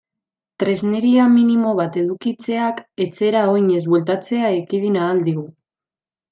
Tresneria minimo bat edukitzeak etxera oinez bueltatzea ekidin ahal digu.